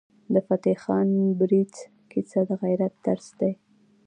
د فتح خان بړیڅ کیسه د غیرت درس دی.